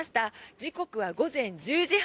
時刻は午前１０時半。